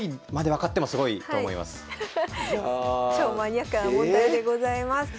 超マニアックな問題でございます。